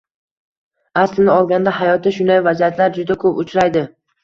Aslini olganda hayotda bunday vaziyatlar juda ko‘p uchraydi.